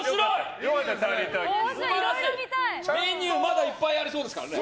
メニュー、まだいっぱいありそうですからね。